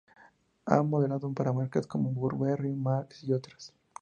Ha modelado para marcas como Burberry, Marc y otras.